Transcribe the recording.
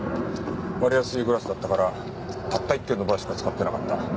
割れやすいグラスだったからたった一軒のバーしか使っていなかった。